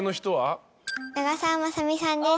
長澤まさみさんです。